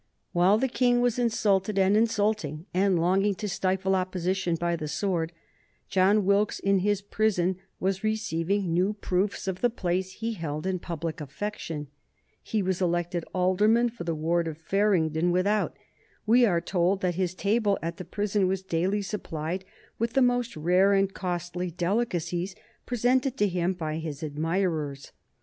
While the King was insulted and insulting, and longing to stifle opposition by the sword, John Wilkes in his prison was receiving new proofs of the place he held in public affection. He was elected alderman for the Ward of Farringdon Without. We are told that his table at the prison was daily supplied with the most rare and costly delicacies, presented to him by his admirers.